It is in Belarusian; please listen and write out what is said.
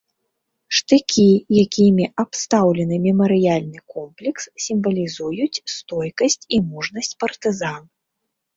Штыкі, якімі абстаўлены мемарыяльны комплекс, сімвалізуюць стойкасць і мужнасць партызан.